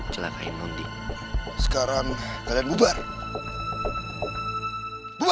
malu malu malu malu malu